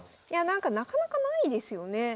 いやなんかなかなかないですよね。